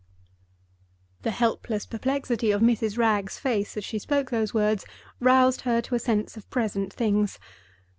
The helpless perplexity of Mrs. Wragge's face as she spoke those words roused her to a sense of present things.